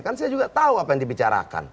kan saya juga tahu apa yang dibicarakan